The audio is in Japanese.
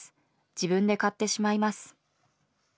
自分で買ってしまいます。